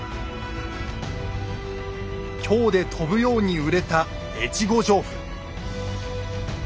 京で飛ぶように売れた越後上布。